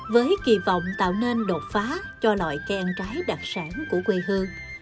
với kỳ vọng tạo nên đột phá cho loại cây ăn trái đặc sản của quê hương